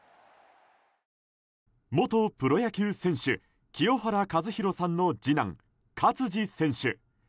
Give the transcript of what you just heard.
元プロ野球選手、清原和博さんの次男、勝児選手。